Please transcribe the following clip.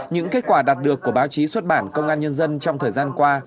những kết quả đạt được của báo chí xuất bản công an nhân dân trong thời gian qua